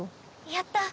やった！